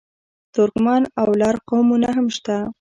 ترکمن او لر قومونه هم شته.